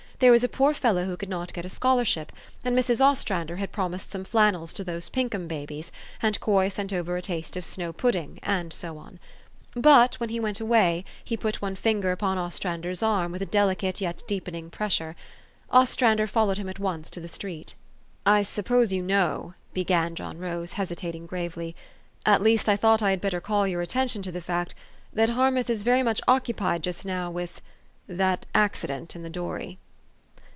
There was a poor fellow who could not get a scholarship ; and Mrs. Ostrander had promised some flannels to those Pinkham babies ; and Coy sent over a taste of snow pudding ; and so on. But, when he went away, he put one finger upon Ostrander's arm with a delicate yet deepening pressure. Ostrander followed him at once to the street. "I suppose you know," began John Rose, hesi tating gravely, " at least I thought I had better call your attention to the fact, that Harmouth is very much occupied just now with that accident in the dory."